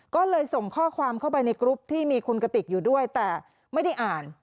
ก็เลยส่งข้อความเข้าไปในกรุ๊ปที่มีคุณกติกอยู่ด้วยแต่ไม่ได้อ่าน